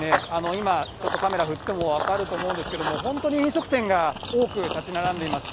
今、ちょっとカメラ振っても分かると思うんですけれども、本当に飲食店が多く建ち並んでいます。